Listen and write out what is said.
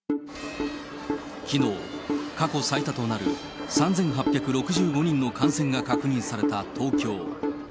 きのう、過去最多となる３８６５人の感染が確認された東京。